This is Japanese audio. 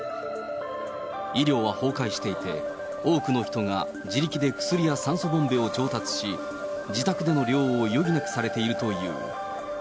医療は崩壊していて、多くの人が自力で薬や酸素ボンベを調達し、自宅での療養を余儀なくされているという。